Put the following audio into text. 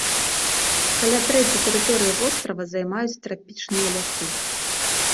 Каля трэці тэрыторыі вострава займаюць трапічныя лясы.